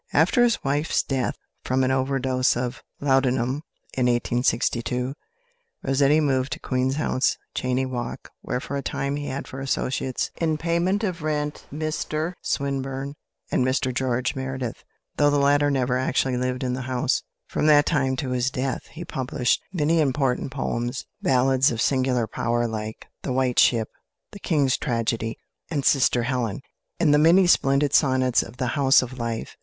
After his wife's death, from an overdose of laudanum in 1862, Rossetti moved to Queen's House, Cheyne Walk, where for a time he had for associates in payment of rent Mr Swinburne and Mr George Meredith, though the latter never actually lived in the house. From that time to his death he published many important poems ballads of singular power like "The White Ship," "The King's Tragedy," and "Sister Helen," and the many splendid sonnets of "The House of Life."